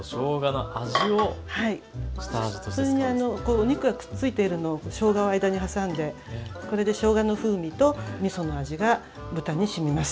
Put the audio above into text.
お肉がくっついているのをしょうがを間に挟んでこれでしょうがの風味とみその味が豚にしみます。